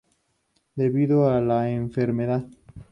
Debido a la enfermedad.